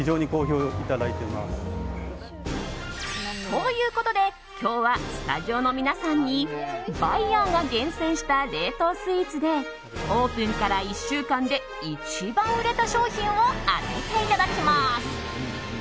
ということで、今日はスタジオの皆さんにバイヤーが厳選した冷凍スイーツでオープンから１週間で一番売れた商品を当てていただきます。